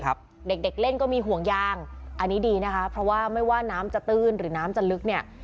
เด็กเด็กเล่นก็มีห่วงยางอันนี้ดีนะคะเพราะว่าไม่ว่าน้ำจะตื้นหรือน้ำจะลึกเนี่ย